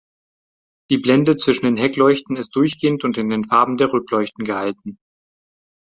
Die Blende zwischen den Heckleuchten ist durchgehend und in den Farben der Rückleuchten gehalten.